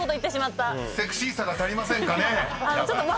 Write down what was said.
［セクシーさが足りませんかね？］